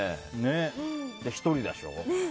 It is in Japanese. で、１人でしょ。